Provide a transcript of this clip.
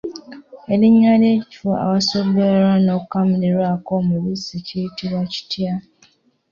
Erinnya ly'ekifo awasogolerwa n'okukamulirako omubisi kiyitibwa kitya?